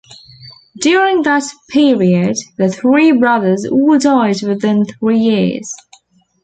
During that period, the three brothers all died within three years.